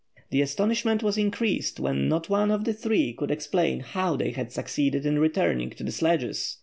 The astonishment was increased when not one of the three could explain how they had succeeded in returning to the sledges.